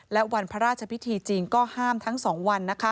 และวันพระราชพิธีจริงก็ห้ามทั้ง๒วัน